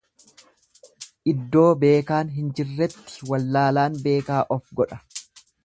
Iddoo beekaan hin jiretti wallaalaan beekaa of godha.